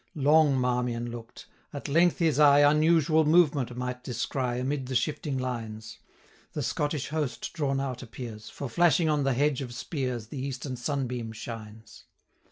Long Marmion look'd: at length his eye Unusual movement might descry Amid the shifting lines: The Scottish host drawn out appears, 560 For, flashing on the hedge of spears, The eastern sunbeam shines.